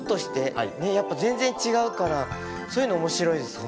やっぱ全然違うからそういうの面白いですね。